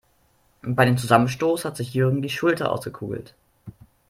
Bei dem Zusammenstoß hat sich Jürgen die Schulter ausgekugelt.